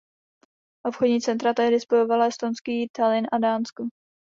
Obchodní cesta tehdy spojovala estonský Tallinn a Dánsko.